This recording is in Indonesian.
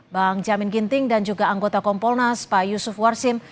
bang jamin ginting dan juga anggota kompolnas pak yusuf warsim